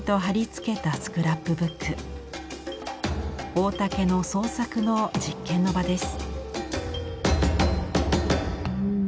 大竹の創作の実験の場です。